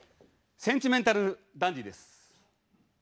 センチメンタルダンディです。